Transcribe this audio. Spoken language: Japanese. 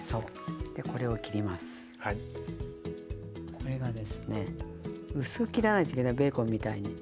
これがですね薄く切らないといけないベーコンみたいに。